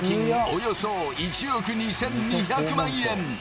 およそ１億２２００万円。